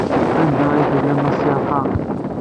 Anda ay tellamt a ssiɛqa?